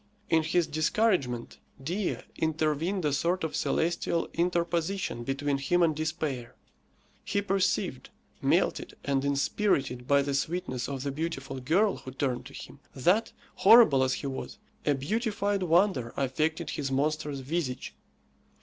In his discouragement Dea intervened a sort of celestial interposition between him and despair. He perceived, melted and inspirited by the sweetness of the beautiful girl who turned to him, that, horrible as he was, a beautified wonder affected his monstrous visage.